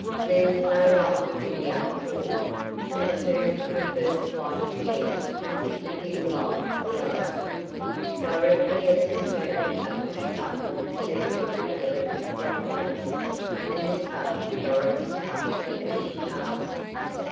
There was no light in the upper hall, and a turn from the first flight of stairs hid the dim light below. Directly at this turn a push button connected with an electric drop lamp, and this button Dorothy touched as she passed.